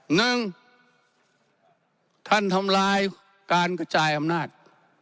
หนึ่งท่านทำลายการกระจายอำนาจ